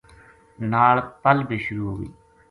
نال پل بے شروع ہو گئی